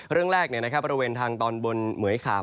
เรื่องแรกเนี่ยนะครับประเวณทางตอนบนเหมือยขาบ